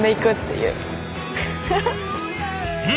うん！